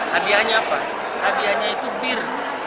hadiahnya apa hadiahnya itu bir